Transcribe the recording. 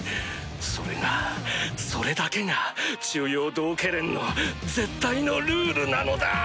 それがそれだけが中庸道化連の絶対のルールなのだ！